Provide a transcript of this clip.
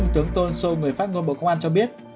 tướng tôn sô người phát ngôn bộ công an cho biết